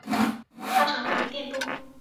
它常用于电镀。